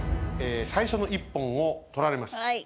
最初の１本を取られました。